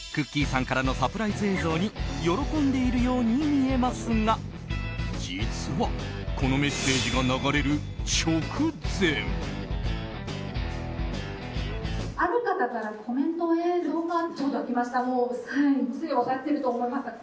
さんからのサプライズ映像に喜んでいるように見えますが実はこのメッセージが流れる直前。